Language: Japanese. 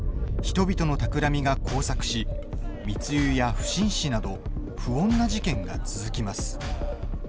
人々のたくらみが交錯し密輸や不審死など不穏な事件が続きます。